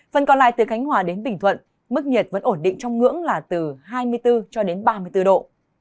phần còn lại từ khánh hòa đến bình thuận mức nhiệt vẫn ổn định trong ngưỡng là từ hai mươi bốn cho đến ba mươi bốn độ